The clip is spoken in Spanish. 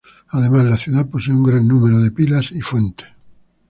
Además, la ciudad posee un gran número de pilas y fuentes.